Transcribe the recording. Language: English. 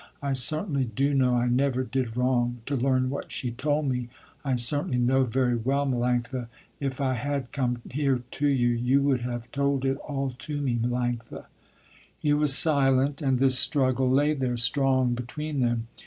I certainly do know I never did wrong, to learn what she told me. I certainly know very well, Melanctha, if I had come here to you, you would have told it all to me, Melanctha." He was silent, and this struggle lay there, strong, between them.